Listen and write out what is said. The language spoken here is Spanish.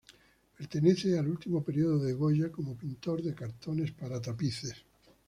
Pertenece al último periodo de Goya como pintor de cartones para tapices.